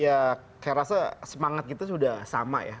ya saya rasa semangat kita sudah sama ya